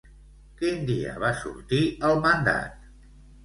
Quin dia va sortir el mandat?